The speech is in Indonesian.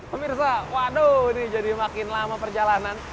pemirsa waduh ini jadi makin lama perjalanan